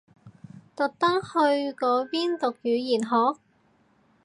特登去嗰邊讀語言學？